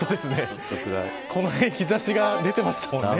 この辺日差しが出てましたもんね。